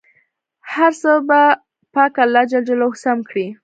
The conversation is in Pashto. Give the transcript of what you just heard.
هر څه به پاک الله جل جلاله سم کړي.